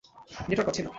Network পাচ্ছি না!